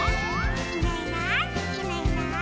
「いないいないいないいない」